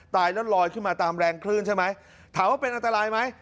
ตายแล้วลอยขึ้นมาตามแรงคลื่นใช่ไหมถามว่าเป็นอันตรายไหม